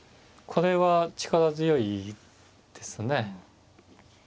これは力強いですね。